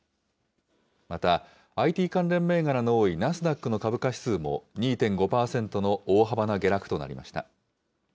また、ＩＴ関連銘柄の多いナスダックの株価指数も、２．５％の大幅な下落となりました。